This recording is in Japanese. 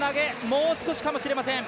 もう少しかもしれません。